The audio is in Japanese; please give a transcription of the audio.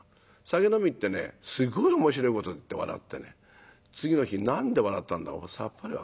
酒飲みってねすごい面白いことで笑ってね次の日何で笑ったんだろうかさっぱり分からない。